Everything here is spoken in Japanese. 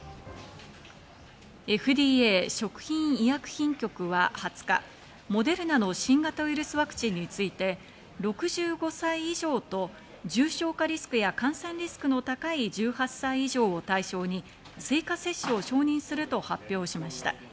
ＦＤＡ＝食品医薬品局は２０日、モデルナの新型ウイルスワクチンについて６５歳以上と重症化リスクや感染リスクの高い１８歳以上を対象に追加接種を承認すると発表しました。